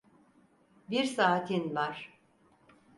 Bir saatin var.